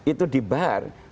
itu di bahar